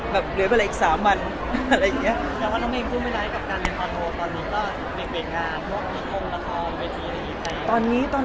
แบบเหลือไปอะไรอีกสามวันอะไรอย่างเงี้ย